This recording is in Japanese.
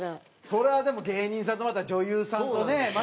それはでも芸人さんと女優さんとねまた。